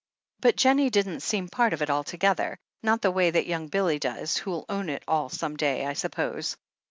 But Jennie didn't seem part of it altogether — not the way that young Billy does, who'll own it all some day, I sup pose.